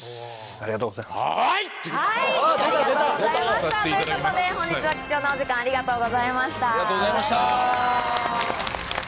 ありがとうございましたということで本日は貴重なお時間ありがとうございました。